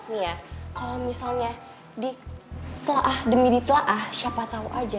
nih ya kalau misalnya ditelah demi ditelah siapa tau aja